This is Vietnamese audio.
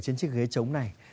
ở trên chiếc ghế trống này